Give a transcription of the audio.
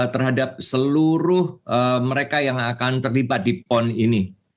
terhadap seluruh mereka yang akan terlibat di pon ini